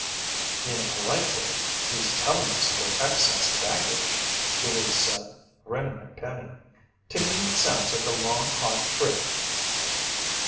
"In a polite way, he's telling us we're excess baggage," Louise said, grinning at Penny. "To me it sounds like a long, hot trip."